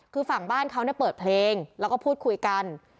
คือฝั่งบ้านเขาเนี่ยเปิดเพลงแล้วก็พูดคุยกัน